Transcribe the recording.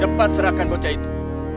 cepat serahkan bocah itu